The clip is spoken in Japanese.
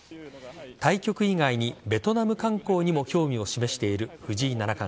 対局以外に、ベトナム観光にも興味を示している藤井七冠。